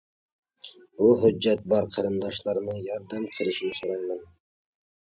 بۇ ھۆججەت بار قېرىنداشلارنىڭ ياردەم قىلىشنى سورايمەن.